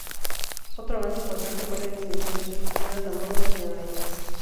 Otro avance importante fue la distinción entre estructuras homólogas y análogas.